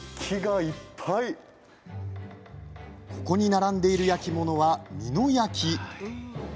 ここに並んでいる焼き物は美濃焼。